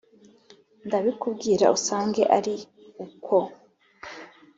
Ndabikubwira usange ari ukwo!